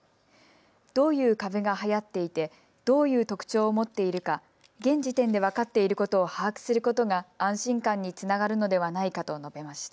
どういう株がはやっていて、どういう特徴を持っているか現時点で分かっていることを把握することが安心感につながるのではないかと述べました。